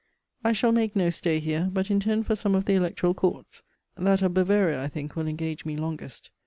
I shall make no stay here; but intend for some of the Electoral Courts. That of Bavaria, I think, will engage me longest.